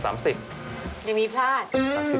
ไม่มีพลาด